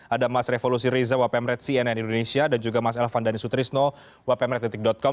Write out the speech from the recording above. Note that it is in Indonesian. ada mas revolusi riza wapemret cnn indonesia dan juga mas elvan dhani sutrisno wapemret com